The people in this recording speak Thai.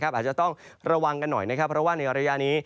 อาจจะต้องระวังกันหน่อยนะครับเพราะว่าในระยะนี้